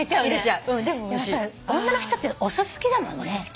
やっぱ女の人ってお酢好きだもんね。